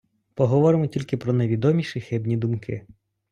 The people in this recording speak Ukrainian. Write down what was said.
Поговоримо тільки про найвідоміші хибні думки.